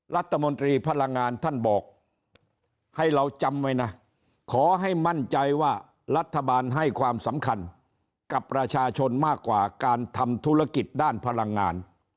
รัฐมนตรีพลังงานท่านบอกให้เราจำไว้นะ